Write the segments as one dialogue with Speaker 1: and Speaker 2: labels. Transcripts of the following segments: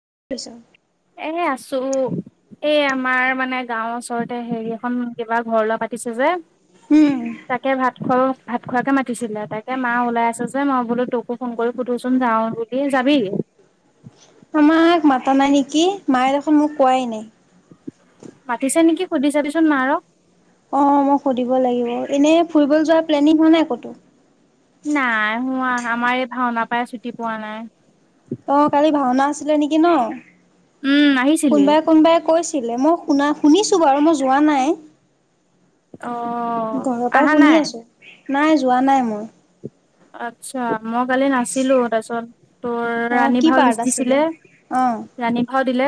Speaker 1: কি কছ
Speaker 2: এনেই আছোঁ। এই আমাৰ মানে গাঁওৰ ওচৰতে হেৰি এখন কিবা ঘৰ লোৱা পাতিছে যে
Speaker 1: হুম
Speaker 2: ঘৰত ভাত খোৱাকে মাতিছিলে তাকে মা ওলাই আছে যে মই বোলো তোকো ফোন কৰি সুধোচোন যাও বুলি তাবি
Speaker 1: আমাক মাতা নাই নেকি মায়ে দেখোন মোক কোৱাই নাই।
Speaker 2: মাতিছে নেকি সুধি চাবিচোন মাৰক?
Speaker 1: অ মই সুধিব লাগিব, এনেই ফুৰিবলৈ যোৱাৰ প্লেনিং হোৱা নাই ক'তো?
Speaker 2: নাই হোৱা আমাৰ এই ভাওনা পৰাই ছুটি পোৱা নাই।
Speaker 1: অ কালি ভাওনা আছিলে নেকি ন
Speaker 2: উম আহিছিলি
Speaker 1: কোনবাই কোনোবাই কৈছ চিলে মই শুনা শুনিছো বাৰু মই যোৱা নাই।
Speaker 2: অ
Speaker 1: ঘৰৰ পৰাই
Speaker 2: আহা
Speaker 1: শুনি
Speaker 2: নাই
Speaker 1: আছো, নাই যোৱা নাই মই।
Speaker 2: আচ্ছা মই কালি নাছিলো তাৰপিছত তোৰ
Speaker 1: অ',
Speaker 2: ৰাণী
Speaker 1: কি
Speaker 2: ভাও
Speaker 1: পাৰ্ট
Speaker 2: লিষ্ট
Speaker 1: আছিলে?
Speaker 2: দিছিলে,
Speaker 1: অ',
Speaker 2: ৰাণী ভাওত দিলে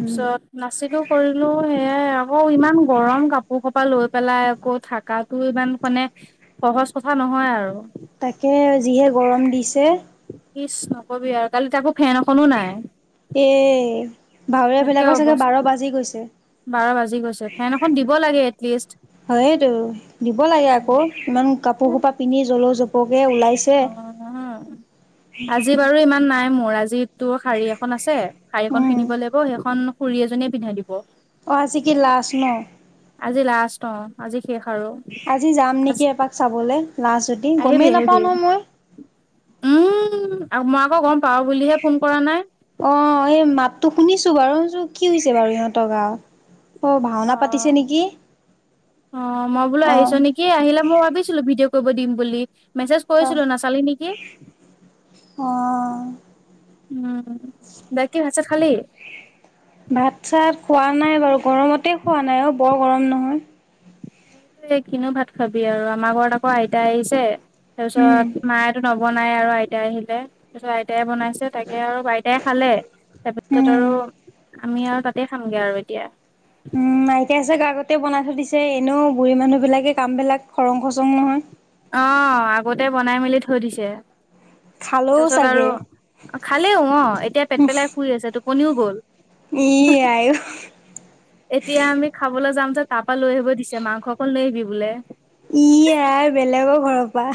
Speaker 1: উম,
Speaker 2: নাচিলোঁ কৰিলো। সেইয়াই আকৌ ইমান গৰম কাপোৰ কপা লৈ পেলাই আকৌ থাকটো ইমান মানে সহজ কথা নহয় আৰু।
Speaker 1: তাকে যিহে গৰম দিছে।
Speaker 2: ইচ নকবি আৰু কালি তাকো ফেন এখনো নাই।
Speaker 1: এ ভাওৰীয়া
Speaker 2: একে
Speaker 1: বিলাকৰ চাগে
Speaker 2: অৱস্থা
Speaker 1: বাৰ বাজি গৈছে।
Speaker 2: বাৰ বাজি গৈছে ফেন এখন দিব লাগে এটলিষ্ট।
Speaker 1: হয় এইটো দিব লাগে আকৌ ইমান কাপোৰ সোপা পিন্ধি জলৌ জপৌ
Speaker 2: অ আজি বাৰু ইমান নাই মোৰ মৰাজিত তো শাড়ী এখন আ শাৰী এখন
Speaker 1: উম
Speaker 2: পিন্ধিব লাগিব সেইখন খুৰী এজনীয়ে পিন্ধাই দিব
Speaker 1: অজি কি লাছ ন
Speaker 2: আজি লাষ্ট অ আজি শেষ আৰু
Speaker 1: আজি যাম
Speaker 2: আজি
Speaker 1: নেকি এপাক চাবলৈ লাছ নিকি
Speaker 2: আহিবি
Speaker 1: গমেই
Speaker 2: আহিবি
Speaker 1: নাপাওঁ ন মই
Speaker 2: উম মই আকৌ গম পাওঁ বুলিহে ফোন কৰা নাই
Speaker 1: ত শুনিছো বাৰু শুনছো কি হৈছে বাৰু ইহঁতৰ গা
Speaker 2: অ অ মই বোলো
Speaker 1: অ
Speaker 2: আহিছ নেকি আহিলে মই ভাবিছিলো ভিডিঅ' ক'ব দিম বুলি মেছেজ
Speaker 1: অ
Speaker 2: কৰিছিলো নাচালি নেকি
Speaker 1: অ।
Speaker 2: উম বাকি ভাত ছাত খালি
Speaker 1: ভাত চাত খোৱা নাই বাৰু গৰমতে খোৱা নাই অ বৰ গৰম নহয়
Speaker 2: সেইটো কিনো ভাত খাবি আৰু আমাৰ ঘৰত আকৌ আইতা আহিছে
Speaker 1: উম।
Speaker 2: তাৰপিছত মায়ো নব বনাই আৰু আইতাই আহিলে তাৰ পিছত আইতাই বনাই ছে তাকে আৰু বাইটাই খালে তাৰপিছত আৰু
Speaker 1: উম।
Speaker 2: আমি আৰু তাতে খামগে আৰু এতিয়া
Speaker 1: উম নাইকিয়াছাগে আগতে বনাই থৈ দিছে এনেও বুঢ়ী মানুহ বিলাকে কাম বিলাক খৰং খচং নহয়
Speaker 2: অ আগতে বনাই মেলি থৈ দিছে
Speaker 1: খালেও
Speaker 2: তাৰপিছত আৰু
Speaker 1: চাগে
Speaker 2: খালেও অ এতিয়া পেট পেলাই শুই আছে টোপনিও গ'ল
Speaker 1: ই আই
Speaker 2: এতিয়া আমি খাবলৈ যাম তাৰপিছত তা পৰা লৈ আহিব দিছে মাংস অকল লৈ আহিবি বোলে
Speaker 1: ই বেলেগৰ ঘৰৰ পৰা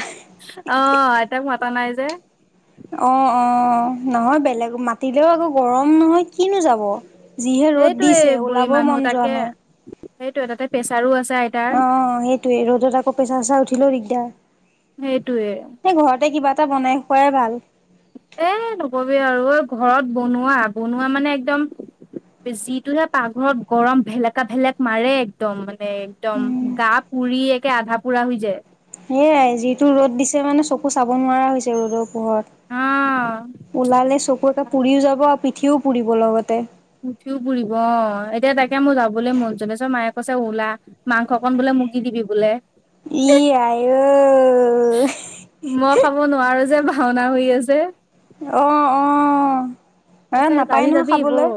Speaker 2: অ আইতাক মাতা নাই যে
Speaker 1: অ অ নহয় বেলেগ মাতিলেও আকৌ গৰম নহয় কিনো যাব যিহে ৰ'দ
Speaker 2: সেইটোয়ে
Speaker 1: দিছে
Speaker 2: বুঢ়ী
Speaker 1: ওলাব
Speaker 2: মানুহ
Speaker 1: মন যোৱা
Speaker 2: তাকে
Speaker 1: নাই
Speaker 2: সেইটোয়ে তাতে প্ৰেছাৰো আছে আইতাৰ
Speaker 1: অ সেইটোয়ে ৰ'দত আকৌ পেচাৰ চেচাৰ উঠিলেও দিগদাৰ
Speaker 2: সেইটোৱে
Speaker 1: তই বনাই খোৱাই ভাল
Speaker 2: এ নকবি আৰু ঐ ঘৰত বনোৱা বনোৱা মানে একদম যিটোহে পাকঘৰত গৰম ভেলেকা ভেলেক মাৰে একদম মানে একদম
Speaker 1: উম
Speaker 2: গা পুৰি একে আধা পোৰা হৈ যায়।
Speaker 1: সয়াই যিটো ৰ'দ দিছে মানে চকু চাব নোৱাৰা হৈছে ৰ'দক।
Speaker 2: অ',
Speaker 1: পোহৰত ওলালে চকু একে পুৰিও যাব আৰু পিঠিও পুৰিব লগতে।
Speaker 2: উঠিও পুৰিব অ এতিয়া তাকে মোৰ যাবলৈ মন যছ মায়ে কৈছে ওলা মাংসকন বোলে। মুগি দিবি বোলে।
Speaker 1: ই আই ঐ
Speaker 2: মই খাব নোৱাৰো যে ভাওনা হৈ আছে
Speaker 1: অ অ এ
Speaker 2: তকৈছে
Speaker 1: নাপায়
Speaker 2: যাবি
Speaker 1: নহয়
Speaker 2: যাবি হ'ব
Speaker 1: খাবলৈ।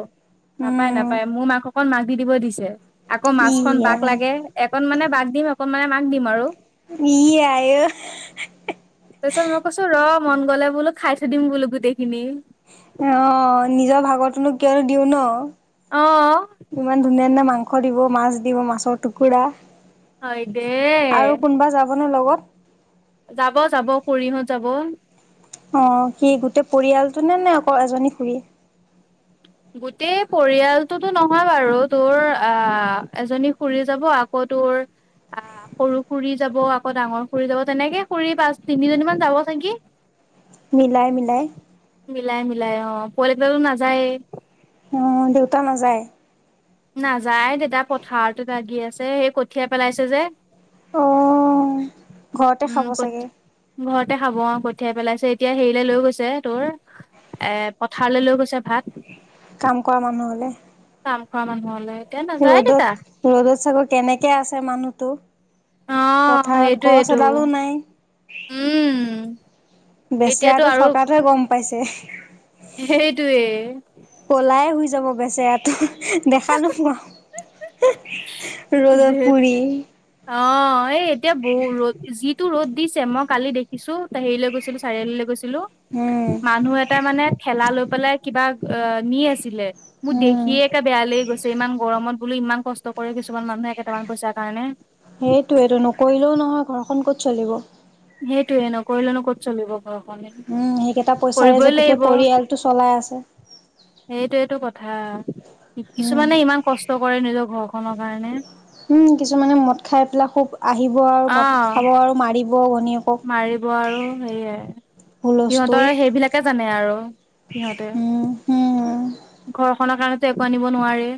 Speaker 2: নাপায়
Speaker 1: উম,
Speaker 2: নাপায় মোৰ মাকক অকণ মাক দি দিব দিছে আকৌ মাছখন বাক
Speaker 1: ইআই
Speaker 2: লাগে এঅকণ মানে বাক দিম একনমানানে মাক দিম আৰু
Speaker 1: ইআই
Speaker 2: তাৰপিছত মই কৈছো ৰ মন গলে বোলো খাই থৈ দিম বোলো গোটেইখিনি
Speaker 1: অ নিজৰ ভাগটোনো কিয়নো দিও
Speaker 2: অ
Speaker 1: ন ইমান ধুনীয়া ধুনীয়া মাংস মাংস দিব মাছ দিব মাছৰ টুকুৰা
Speaker 2: হয় দে
Speaker 1: অকনো লগত
Speaker 2: যাব যাব খুৰিহত যাব
Speaker 1: অ কি গোটেই পৰিয়ালটো নে নে অকল এজনী খুৰী
Speaker 2: গোটেই পৰিয়ালটোতো নহয় বাৰু তোৰ আ এজনী খুৰী যাব আকৌ তোৰ আহ সৰু খুুৰী যাব আকৌ ডাঙৰ খুৰী যাব তেনেকে খুৰী পাঁচ তিনিজনীমান যাব নেকি
Speaker 1: মিলাই মিলাই
Speaker 2: ওলাই অ পোৱালিটেলো নাযায়েই
Speaker 1: অ দেউতা নাযায়
Speaker 2: নাযায় দেতা পথাৰত লাগি আছে সেই কঠিয়াই পেলাইছে যে
Speaker 1: আহ ঘৰতে
Speaker 2: উম
Speaker 1: খাব
Speaker 2: কঠ
Speaker 1: চাগে।
Speaker 2: ঘৰতে খাব আৰু কঠিয়াই পেলাইছে এতিয়া হেৰিলে লৈ গৈছে তোৰ। এ পথাৰলৈ লৈ গৈছে ভাত।
Speaker 1: কাম কৰা মানুহ হলে।
Speaker 2: কাম খোৱা মানুহলে। এতিয়া নাযায় দেতা
Speaker 1: ৰ'দত ৰ'দত চাগ কেনেকে আছে মানুহতো।
Speaker 2: অ
Speaker 1: পথাৰত গছ
Speaker 2: সেইটোয়েইটো
Speaker 1: এডালো নাই।
Speaker 2: উম এতিয়াতো
Speaker 1: বেচৰাটো
Speaker 2: আৰু
Speaker 1: থকাতে গম পাইছে।
Speaker 2: সেইটোৱে।
Speaker 1: কলাই শুই যাব গেছোতো দেখা নো পোৱা। ৰ'দ
Speaker 2: ধেত
Speaker 1: পুৰি।
Speaker 2: অ এই এতিয়া বহু ৰ যি। তো ৰদ দিছে মই কালি দেখিছো ত হেৰিলৈ গছিলো চিআল লৈ গৈছিলো। ছিলো
Speaker 1: উম
Speaker 2: মানুহ এটা মানে খেলা লৈ পেলাই কিবা। অ নি আছিলে মোৰ
Speaker 1: উম
Speaker 2: দেখিয়ে একে বেয়া লাগি গৈছে ইমান গৰমত বোলো ইমান কষ্ট কৰেছ।
Speaker 1: সেইটোয়েইটো নকৰিলেও নহয় ঘৰখন ক'ত চলিব।
Speaker 2: সেইটোয়ে নকৰিলেনো ক'ত চলিব ঘৰখনে
Speaker 1: উম সেইকেইটা পইচাৰে যে
Speaker 2: কৰিবই
Speaker 1: গোটেই
Speaker 2: লাগিব।
Speaker 1: পৰিয়ালটো চলাই আছে
Speaker 2: সেইটোইটো কথা
Speaker 1: উম
Speaker 2: কিছুমানে ইমান কষ্ট কৰে নিজৰ ঘৰখনৰ কাৰণে।
Speaker 1: উম কিছুমানে মদ খাই পেলাই খুব আহিব আৰু
Speaker 2: অ
Speaker 1: মদ খাব আৰু মাৰিব। ভনীয়েকক
Speaker 2: মাৰিব আৰু সেয়ে
Speaker 1: হুলস্থুল
Speaker 2: সিহঁতৰ সেইবিলাকে জানে আৰু। সিহঁতে
Speaker 1: উম উম
Speaker 2: ঘৰখনৰ কাৰণো একো আনিব নোৱাৰে।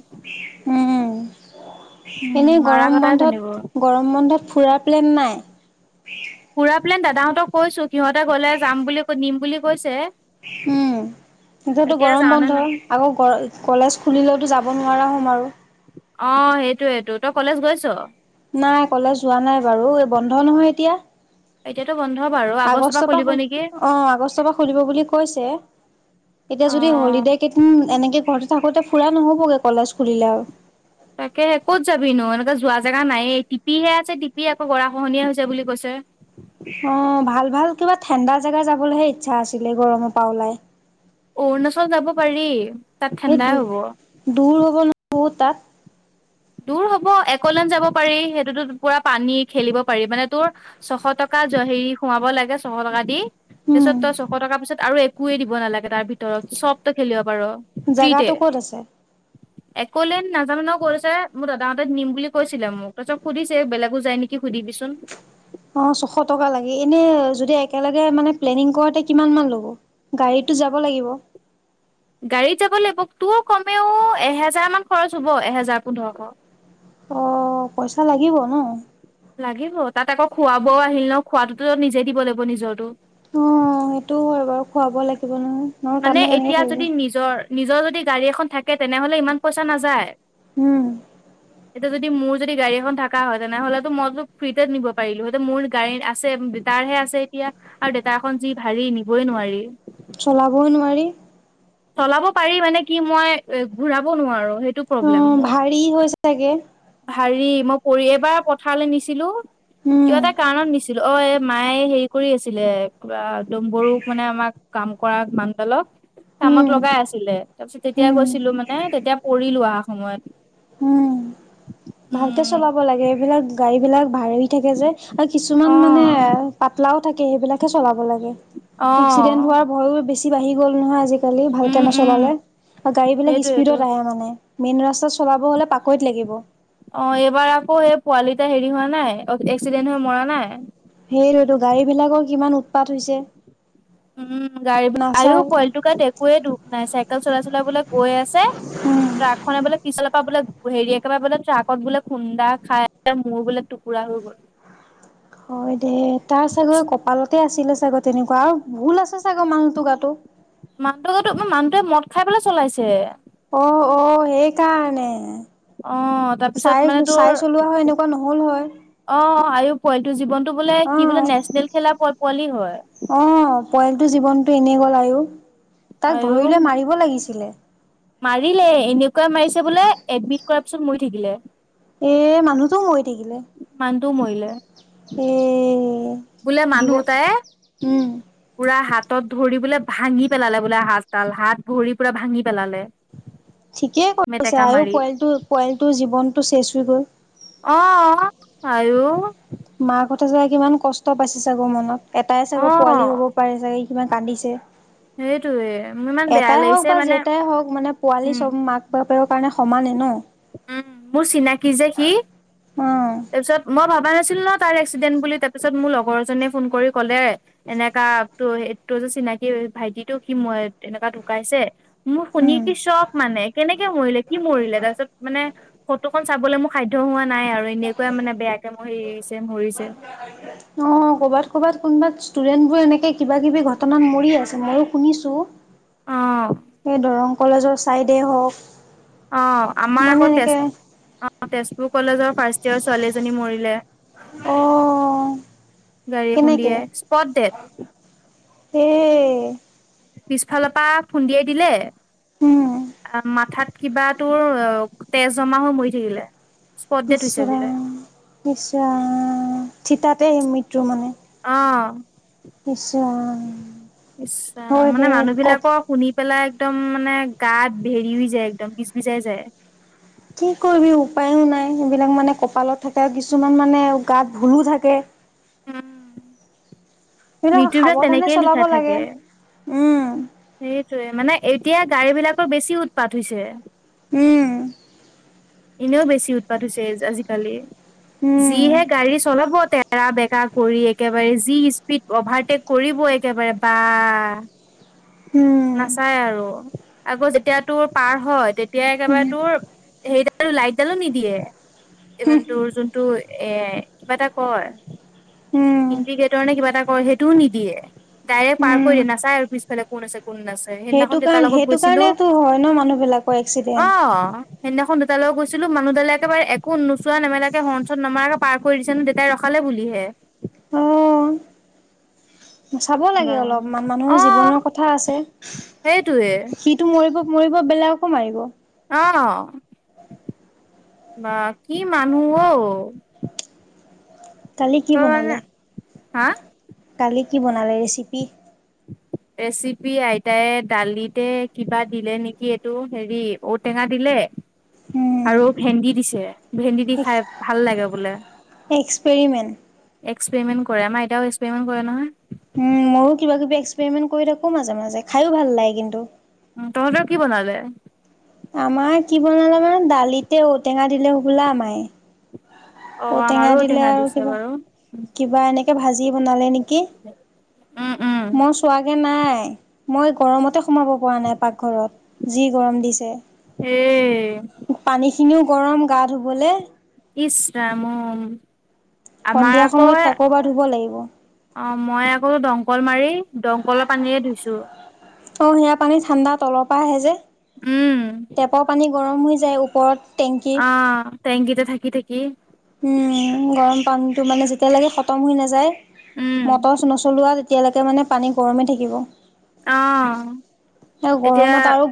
Speaker 1: উম।
Speaker 2: উম
Speaker 1: এনেই
Speaker 2: মাৰা
Speaker 1: গৰম
Speaker 2: কটাই জানিব
Speaker 1: বন্ধত গৰম বন্ধত ফুৰাৰ প্লেন নাই।
Speaker 2: সুৰা প্লেন দাদাহঁতক কৈছো সিহঁতে গলে যাম বুলি ক নিম বুলি কৈছে।
Speaker 1: উম এতিতো
Speaker 2: এতিয়া
Speaker 1: গৰম
Speaker 2: যাওঁ নে
Speaker 1: বন্ধ
Speaker 2: না
Speaker 1: আকৌ কলেজ খুলিলেওতো যাব। যাব নোৱাৰা হ'ম আৰু
Speaker 2: অ সেইটোৱেটো তই কলেজ গৈছ?
Speaker 1: নাই কলেজ হোৱা নাই বাৰু এই বন্ধ নহয় এতিয়া।
Speaker 2: এতিয়াতো বন্ধ বাৰু
Speaker 1: আগষ্টৰ
Speaker 2: খুলিব
Speaker 1: পৰা
Speaker 2: নেকি
Speaker 1: অ আগষ্টৰ পৰা খুলিব বুলি কৈছে। এতিয়া যদি
Speaker 2: অ
Speaker 1: হলিডে কেইদিন এনেকে ঘৰতে থাকোতে ফুৰা নহবগে কলেজ খুলিলে আও।
Speaker 2: তাকে কত যাবি নো এনেকে যোৱা জেগা নাই টিপিহে আছে টিপি আকৌ গৰা খহনীয়া হৈছে বুলি কৈছে।
Speaker 1: অ ভাল ভাল কিবা ঠাণ্ডা জেগা যাবলৈহে ইচ্ছা আছিলে গৰমৰ পৰা ওলাই।
Speaker 2: অৰুণাচল যাব পাৰি। তাত
Speaker 1: সেই
Speaker 2: ঠাণ্ডাই
Speaker 1: দ
Speaker 2: হ'ব।
Speaker 1: দূৰ হ'ব নোৱাৰ তাত।
Speaker 2: দূৰ হ'ব একলেন যাব পাৰি সেইটোতো পুৰা পানী খেলিব পাৰি মানে তোৰ ছশ টকা। জ হেৰি সোমাব লাগে ছশ টকা দি। তাৰ পিছত
Speaker 1: উম,
Speaker 2: তই ছশ টকাৰ পিছত আৰু একোৱে দিব নালাগে তাৰ ভিতৰত চবতো খেলিব পাৰ।
Speaker 1: জেগাটো ক'ত আছে।
Speaker 2: এক'লেণ্ড নাজানো নহ ক'ত আছে। মোৰ দাদাহঁক নিম বুলি কৈছিলে মোক তাৰপিছত সুধিছে বেলেগো যায় নেকি সুধিবিচোন।
Speaker 1: অ ছশ টকা লাগি এনে য একেলগে মানে প্লেনিং কৰ কিমান মান ল'ব। গাড়ীটো যাব লাগিব।
Speaker 2: গাড়ীত যাব লাগিব তো কমেও এহেজাৰ মান খৰচ হ'ব এহেজাৰ পোন্ধৰশ।
Speaker 1: অ পইচা লাগিব ন।
Speaker 2: লাগিব তাত আকৌ খুৱ ব আহিল ন খোৱাতটোতো নিজেই দিব লাগিব নিজৰটো।
Speaker 1: অ সেইটোও হয় বাৰু খুৱাব লাগিব নহয়। নহলে
Speaker 2: মানে
Speaker 1: তাতনো কেনেকে
Speaker 2: এতিয়া
Speaker 1: থাকিব
Speaker 2: যদি নিজৰ নিজৰ যদি গাড়ী এখন থাকে তেনেহলে ইমান পইচা নাযায়।
Speaker 1: উম।
Speaker 2: এতিয়া যদি মোৰ যদি গাড়ী এখন থকা হয় তেনেহলেতো মইতো ফ্ৰীতে নিব পাৰিলো সতে মোৰ গাড়ীত আছে। তাৰ হে আছে এতিয়া আৰু দেেতা এখনন যি ভাৰী নিবই নোৱাৰি।
Speaker 1: চলাবই নোৱাৰি
Speaker 2: চলাব পাৰি মানে কি মই এ ঘূৰাব নোৱাৰো। সেইটো
Speaker 1: অ ভাৰী হৈছে চাগে।
Speaker 2: হাৰি মই পৰি এবাৰ পথাৰলৈ নিছিলো
Speaker 1: উম
Speaker 2: কিবা এটা কাৰণত নিছিলো অ মায়ে হেৰি কৰি আছিলে কদম বৰু মানে আমাক কাম কৰা মান্ডালক
Speaker 1: উম
Speaker 2: কামত লগাই আছিলে তাৰপিছত তেতিয়া
Speaker 1: উম
Speaker 2: গৈছিলো মানে তেতিয়া পৰিলো অহা সময়ত।
Speaker 1: উম ভালকে
Speaker 2: উম
Speaker 1: চলাব লাগে এইবিলাক গাড়ী বিলাক ভাৰি থাকে যে আৰু কিছুমান
Speaker 2: অ
Speaker 1: মানে পাতলাও থাকে সেইবিলাকে চলাব লাগে।
Speaker 2: অ
Speaker 1: এক্সিডেণ্ট হোৱাৰ ভয়ো বেছি বাঢ়ি গল নহয় আজিকা- আজিকালি ভালকৈ
Speaker 2: উম উম
Speaker 1: নচলালে আৰু গাড়ীবিলাক
Speaker 2: সেইটোয়েটো
Speaker 1: স্পীডত আহে মানে। মেইন ৰাস্তাত চলাব হলে পাকৈত লাগিব।
Speaker 2: অ এইবাৰ আকৌ সে পোৱালিটা হেৰি হোৱা নাই এক্সিডেণ্ট হৈ মৰা নাই।
Speaker 1: সেইটোতো গাড়ী বিলাকৰ কিমান উৎপাত হৈছে।
Speaker 2: উম গাড়ী আও
Speaker 1: নাচায়
Speaker 2: পোৱালিটো গাত একোৱে দুখ নাই চাইকেল চলাই চলাই বোলে গৈ আছে।
Speaker 1: উম।
Speaker 2: ট্ৰাকখনে বোলে পিছলে পা বোলে হেৰি একেবাৰে বোলে ট্ৰাকত বোলে খুন্দা খাই মূৰ বোলে টুকুৰা হৈ গ'ল।
Speaker 1: হয় দে তাৰ চাগৈ কপালতে আছিলে। চাগ তেনেকুৱা আৰু ভুল আছে চাগে মানুহটো গাতটো
Speaker 2: মানুহো মানুহটোৱে মদ খাই পেলাই চলাইছে।
Speaker 1: অ অ সেইকাৰণে
Speaker 2: অ তাৰপিছত
Speaker 1: চাই
Speaker 2: মানে তোৰ
Speaker 1: চাই চলোৱা হয় এনেকুৱা নহ'ল হয়
Speaker 2: অ আয় পোৱালিটোৰ জীৱন
Speaker 1: অ অ
Speaker 2: হয়
Speaker 1: পৰিয়ালটো জীৱনতটো এনেই গল আ- ইউ তাক
Speaker 2: আৰু
Speaker 1: ধৰিলৈ মাৰিব লাগিছিলে।
Speaker 2: মাৰিলে এনেকুৱাই মাৰিছে বোলে এডমিট কৰাৰ পিছত মৰি থাকিলে।
Speaker 1: এ মানুহটো মৰি থাকিলে।
Speaker 2: দো মৰিলে।
Speaker 1: উম।
Speaker 2: বোলে
Speaker 1: দিব
Speaker 2: মানুহ তাই পুৰা হাত। হাতত ধৰি বোলে ভাঙি পেলালে বোলে হাত তাল হাত ধৰি পুৰা ভাঙি পেলালে।
Speaker 1: ঠিকেই কৈছ
Speaker 2: মেটেকা
Speaker 1: আৰু
Speaker 2: মাৰি
Speaker 1: পৰিোৱালটো পৰিয়ালটোৰ জীৱনটো শেচ হৈ গ'ল
Speaker 2: অহ আৰু।
Speaker 1: মাক কথা চাগে কিমান কষ্ট পাইছে চাগৈ মনত এটাই
Speaker 2: অ
Speaker 1: চাগৈ পোৱালি হ'ব পাৰে চাগে। কিমান কান্দিছে।
Speaker 2: সেইটোয়ে মোৰ ইমান বেয়া
Speaker 1: এটাই হওক
Speaker 2: লাগিছে
Speaker 1: বা
Speaker 2: মানে
Speaker 1: যেটাই হওক মানে পোৱালি
Speaker 2: উম
Speaker 1: চব মাক বা- ত কাৰণে সমানে ন
Speaker 2: উম মোৰ চিনাকি যে সি
Speaker 1: অ',
Speaker 2: তাৰপিছত মই ভাব- নাছিল ন তাৰ এক্সিডেন্ট বুলি তাৰপিছত মোৰ লগৰজনে ফোন কৰি ক'লে এনেকা তো তোৰ- চিনাকি ভাইটিটো খি মুৱাইত তেনেকুৱা ঢুকাইছে। মোৰ শুনি
Speaker 1: উম।
Speaker 2: কি চখ মানে কেনেকে মৰিলে কি মৰিলে তাৰপিছত মানে ফটোখন চাবলৈ মোৰ সাধ্য হোৱা নাই আৰু এনেকুৱা মানে বেয়াকে মহৰিছে।
Speaker 1: অ কৰ'বাত কৰবাত কোনোবাত ষ্টুডেন্ট বোৰ এনেকে কিবা কিবি ঘটনাত মৰি আছে মইো শুনিছো।
Speaker 2: অ
Speaker 1: সেই দৰং কলেজৰ চাইডে হওক।
Speaker 2: অ আমাৰ
Speaker 1: মানে
Speaker 2: আকৌ তেজ
Speaker 1: এনেকে
Speaker 2: অ তেজপুৰ কলেজৰ ফাৰ্ষ্ট ইয়েৰ ছোৱালী এজনী মৰিলে।
Speaker 1: অহ
Speaker 2: গাড়ী এ খুন্দিয়ে স্পট দেট
Speaker 1: এই
Speaker 2: পিছফালৰ পৰা খুন্দিয়াই দিলে
Speaker 1: উম
Speaker 2: মাথাত কিবা তোৰ তেজ জমা হৈ মৰি থাকিলে। স্পট ডেট
Speaker 1: ইছ
Speaker 2: হৈছে বোলে
Speaker 1: ৰাম ইছ ৰাম থিতাতে মৃত্যু মানে
Speaker 2: আহ
Speaker 1: ইছ ৰাম।
Speaker 2: ইছ ৰাম
Speaker 1: হয়
Speaker 2: মানে
Speaker 1: দে
Speaker 2: মানুহ
Speaker 1: কপ
Speaker 2: বিলাকৰ শুনি। পেলাই একদম মানে গাত ভেৰিও যায় একদম বিজ বিজাই যায়।
Speaker 1: কি কৰিবি উপায়ো নাই সেইবিলাক মানে কপালত থাকে আৰু কিছুমান মানে গাত ভূলো থাকে।
Speaker 2: উম।
Speaker 1: সেইবিলাক
Speaker 2: মৃত্যুৰ পৰা
Speaker 1: সাৱধানে
Speaker 2: তেনেকেই
Speaker 1: চলাব
Speaker 2: লিখা থাকে
Speaker 1: লাগে উম
Speaker 2: সেইটোৱে মানে এতিয়া। গাড়ী বিলাকৰ বেছি উৎপাত হৈছে।
Speaker 1: উম।
Speaker 2: এনেও বেছি উৎপাত হৈছে আজিকালি
Speaker 1: উম
Speaker 2: যিহে গাড়ী চলাব তে। এৰা বেকা কৰি একেবাৰে যি। স্পিড অভাৰটেক কৰিব একেবাৰে বা।
Speaker 1: উম
Speaker 2: নাচাই আৰু আগৌ যেতিয়া তোৰ পাৰ হয় তেতিয়াাই একেবাৰে
Speaker 1: উম
Speaker 2: তোৰ। সেইডাল লাইটডালো নিদিয়ে। ইমানে তোৰ যোনটো এ কিবা এটা কয়।
Speaker 1: উম
Speaker 2: ইণ্ডিকেটৰ নে কিবা এটা কৰে সেইটোও নিদিয়ে ডাইৰেক্ট পাৰ কৰি
Speaker 1: উম
Speaker 2: দিয়ে নাচাই আৰু পিছফালে কোন আছে। কোন আছে
Speaker 1: সেইটো
Speaker 2: সেইদিনাখন দেতাৰ
Speaker 1: কাৰণ
Speaker 2: লগত
Speaker 1: সেইটো
Speaker 2: গৈছিলো
Speaker 1: কাৰণেতো হয় ন মানুহ বিলাকৰ এক্সিডেন্ট
Speaker 2: অহ। সেইনাখন দুতালৈ গৈছিলো মানুহালে একেবাৰে একো নোচোৱা নমেলাকে হৰ্নত নমাৰাকে পাৰ কৰি দিছে নহয় দেউতাই ৰখালে। বুলি হে।
Speaker 1: অহ। চাব
Speaker 2: বা
Speaker 1: লাগে অলপ মানুহৰ
Speaker 2: অ
Speaker 1: জীৱনৰ কথা আছে
Speaker 2: সেইটোৱে
Speaker 1: সটো মৰিব। মৰিব বেলেগকো মাৰিব।
Speaker 2: আহ বা কি মানুহ অ।
Speaker 1: কালি কি
Speaker 2: তই মানে
Speaker 1: বনালে।
Speaker 2: হা।
Speaker 1: কালি কি বনালে ৰেচিপি।
Speaker 2: ৰেচিপি আইতাইে দালিতে কিবা দিলে নেকি এইটো হেৰি ঔটেঙা দিলে।
Speaker 1: উম
Speaker 2: আৰু ভেন্দি দিছে ভেন্দি দি খাই ভাল লাগে বোলে।
Speaker 1: এক্সপেৰিমেণ্ট
Speaker 2: এক্ পে'মেট কৰে আম এয়াও এক্সেমেট কৰে নহয়
Speaker 1: উ ময়ো কিবা কিবি এক্সপেৰিমেন্ট কৰি থাকো মাজে মাজে খাইও ভাল লাগে কিন্তু
Speaker 2: উম তহঁতৰ কি বনালে
Speaker 1: আমাৰ কি বনালা মানে দালিতে ঔটেঙা দিলে হবলা মাই।
Speaker 2: অ আমাৰো
Speaker 1: ঔটেঙা দিলে আৰু
Speaker 2: দিছে
Speaker 1: কিবা
Speaker 2: বাৰু
Speaker 1: কিবা এনে। ভাজি বনালে নেকি।
Speaker 2: উম উম
Speaker 1: মই চোৱাগে নাই মই গৰমতে সোমাব পৰা নাই পাকঘৰত। যি গৰম দিছে।
Speaker 2: উম।
Speaker 1: পানী খিনিও গৰম গা ধুবলৈ।
Speaker 2: ইছ ৰাম। আমাৰ
Speaker 1: সন্ধিয়া সময়ত আকৌ এবাৰ ধুব লাগিব।
Speaker 2: অঁ মই আকৌ দমকল মাৰি দমকলৰ পানীৰে ধুইছোঁ।
Speaker 1: অঁ সেয়া পানী ঠাণ্ডা তলৰ পৰা আহে যে।
Speaker 2: উম।
Speaker 1: টেপৰ পানী গৰম হৈ যায় ওপৰত। টেংকি
Speaker 2: অ টেংকিতে থাকি থাকি।
Speaker 1: উম গৰম পানীটো মানে যেতিয়া লাগে খতম হৈ নাযায়
Speaker 2: উম
Speaker 1: মটৰ নচলোৱা। এতিয়ালৈকে মানে পানী গৰমেই থাকিব।
Speaker 2: অ
Speaker 1: আৰু
Speaker 2: এতিয়া।
Speaker 1: গৰমত আৰু